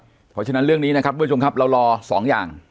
เพราะฉะนั้นเรื่องนี้นะครับทุกผู้ชมครับเรารอสองอย่าง